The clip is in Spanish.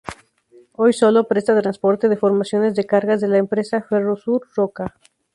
Hoy sólo presta transporte de formaciones de cargas de la empresa Ferrosur Roca.